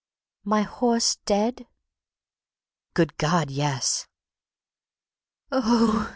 "My horse dead?" "Good God—Yes!" "Oh!"